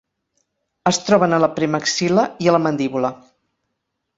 Es troben a la premaxil·la i a la mandíbula.